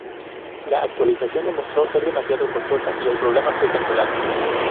La actualización demostró ser demasiado costosa y el programa fue cancelado.